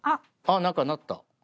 何かなった。